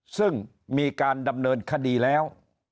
ซึ่งมีการดำเนินคดีแล้ว